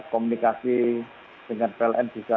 komunikasi dengan pln